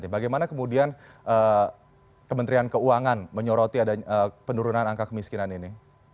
bagaimana kemudian kementerian keuangan menyoroti ada penurunan angka kemiskinan ini